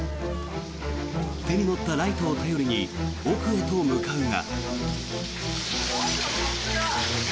手に持ったライトを頼りに奥へと向かうが。